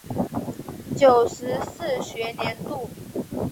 九十四学年度